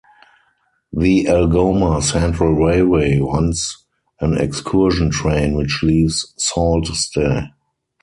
The Algoma Central Railway runs an excursion train which leaves Sault Ste.